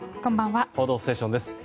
「報道ステーション」です。